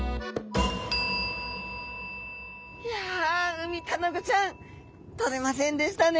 いやウミタナゴちゃんとれませんでしたね。